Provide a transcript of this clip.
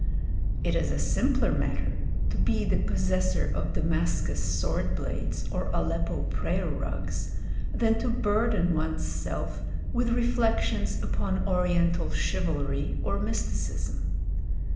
It is a simpler matter to be the possessor of Damascus sword blades or Aleppo prayer rugs than to burden one's self with reflections upon oriental chivalry or mysticism.